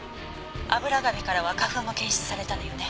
油紙からは花粉も検出されたのよね？」